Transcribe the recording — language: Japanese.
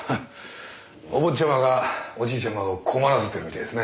お坊ちゃまがおじいちゃまを困らせてるみたいですね。